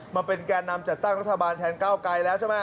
มาเป็นแก่นำจัดตั้งรัฐบาลแทนเก้าไกลแล้วใช่ไหม